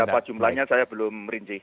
cuma berapa jumlahnya saya belum merinci